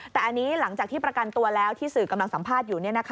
แต่อันนี้หลังจากที่ประกันตัวแล้วที่สื่อกำลังสัมภาษณ์อยู่